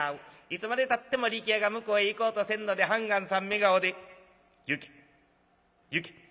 いつまでたっても力弥が向こうへ行こうとせんので判官さん目顔で『行け行け』。